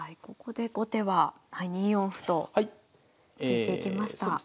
ここで後手は２四歩と突いていきました。